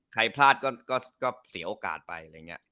ใครพลาดก็เสียโอกาสไป